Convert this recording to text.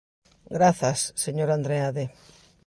Grazas, señor Andreade.